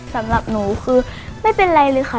สำหรับหนูคือไม่เป็นไรเลยค่ะ